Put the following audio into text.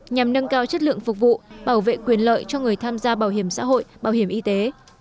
nhằm nâng cao chất lượng phục vụ bảo vệ quyền lợi cho người tham gia bảo hiểm xã hội bảo hiểm y tế